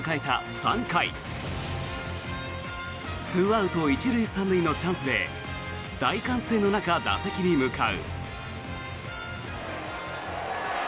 ３回２アウト１塁３塁のチャンスで大歓声の中、打席に向かう。